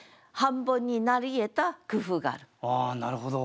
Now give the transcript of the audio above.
あなるほど。